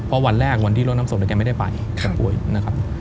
เพราะวันแรกวันที่รถน้ำศพแกไม่ได้ไปแกป่วยนะครับ